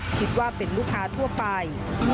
คิดว่าเป็นลูกค้าทั่วไป